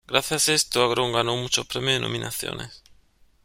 Gracias a esto, Agron ganó muchos premios y nominaciones.